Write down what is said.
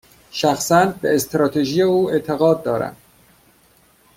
شخصا، به استراتژی او اعتقاد دارم.